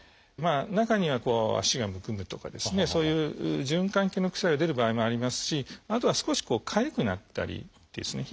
中には足がむくむとかですねそういう循環器系の副作用出る場合もありますしあとは少しこうかゆくなったりですね